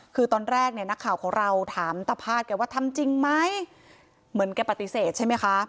คือตอนแรกเนี่ยนักข่าวของเราถามตาพาดแกว่าทำจริงไหมเหมือนแกปฏิเสธใช่ไหมคะ